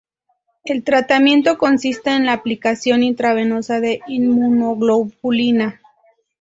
El tratamiento consiste en la aplicación intravenosa de inmunoglobulina.